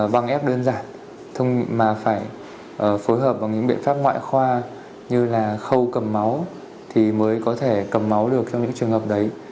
vâng ép đơn giản mà phải phối hợp bằng những biện pháp ngoại khoa như là khâu cầm máu thì mới có thể cầm máu được trong những trường hợp đấy